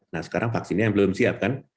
nah sekarang vaksinnya belum siap kan